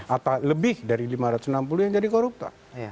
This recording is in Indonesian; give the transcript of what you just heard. atau lebih dari lima ratus enam puluh yang jadi koruptor